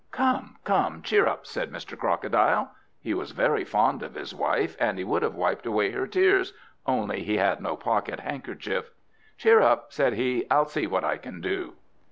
"Come, come, cheer up," said Mr. Crocodile. He was very fond of his wife, and he would have wiped away her tears, only he had no pocket handkerchief. "Cheer up!" said he; "I'll see what I can do."